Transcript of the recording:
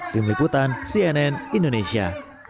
tim liputan cnn indonesia